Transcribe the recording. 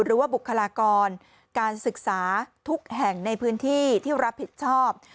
บุคลากรการศึกษาทุกแห่งในพื้นที่ที่รับผิดชอบ